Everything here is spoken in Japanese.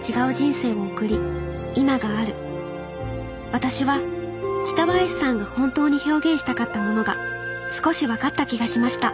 私は北林さんが本当に表現したかったものが少し分かった気がしました。